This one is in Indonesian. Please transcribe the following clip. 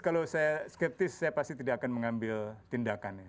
kalau saya skeptis saya pasti tidak akan mengambil tindakan ya